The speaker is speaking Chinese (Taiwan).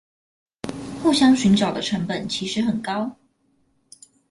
互相尋找的成本其實很高！